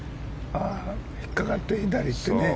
引っかかって左にいってね。